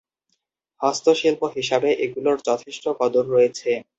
হস্তশিল্প হিসাবে এগুলোর যথেষ্ট কদর রয়েছে।